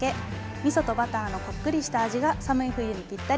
みそとバターのこっくりした味が寒い冬にぴったり。